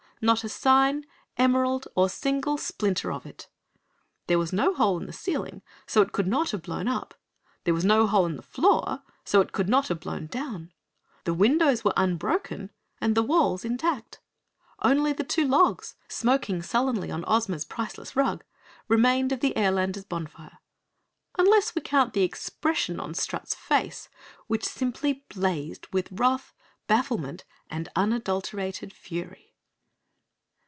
Not a sign, emerald or single splinter of it! There was no hole in the ceiling, so it could not have blown up; there was no hole in the floor, so it could not have blown down. The windows were unbroken, the walls, intact. Only the two logs, smoking sullenly on Ozma's priceless rug, remained of the Airlander's bonfire unless we count the expression on Strut's face, which simply blazed with wrath, bafflement and unadulterated fury.